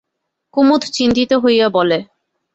কুমুদ চিন্তিত হইয়া বলে।